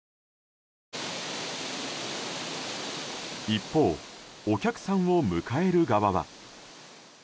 一方お客さんを迎える側は。